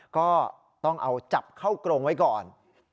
ก็ต้องเอาจับเข้ากรงไว้ก่อน